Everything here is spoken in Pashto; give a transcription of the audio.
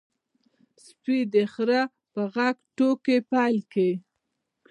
سپي د خره په غږ ټوکې پیل کړې.